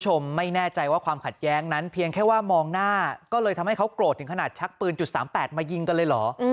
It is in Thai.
คุณผู้ชมไม่แน่ใจว่าความขัดแย้งนั้นเพียงแค่ว่ามองหน้าก็เลยทำให้เขาโกรธถึงขนาดชักปืนจุดสามแปดมายิงกันเลยเหรอ